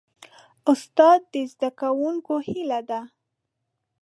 استاد د زدهکوونکو هیله ده.